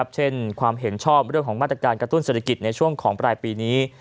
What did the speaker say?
เช่นความเห็นชอบเรื่องของมาตรการกระตุ้นเศรษฐกิจในช่วงของปลายปีนี้